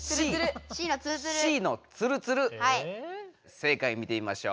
正解見てみましょう。